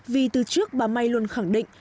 vì từ trước bà may luôn khẳng định